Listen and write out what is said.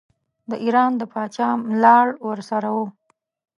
د ایران د پاچا ملاړ ورسره وو.